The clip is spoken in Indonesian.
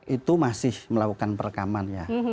itu masih melakukan perekaman ya